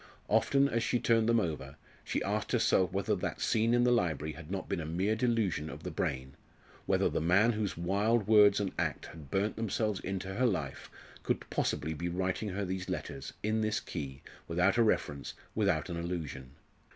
Often, as she turned them over, she asked herself whether that scene in the library had not been a mere delusion of the brain, whether the man whose wild words and act had burnt themselves into her life could possibly be writing her these letters, in this key, without a reference, without an allusion.